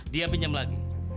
dia pinjam lagi